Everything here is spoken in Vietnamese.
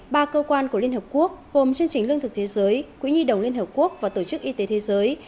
ba cơ quan của liên hợp quốc gồm chương trình lương thực thế giới quỹ nhi đồng liên hợp quốc và tổ chức y tế thế giới